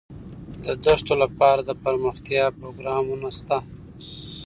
د دښتو لپاره دپرمختیا پروګرامونه شته.